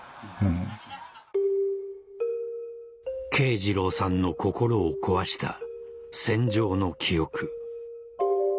慶次郎さんの心を壊した戦場の記憶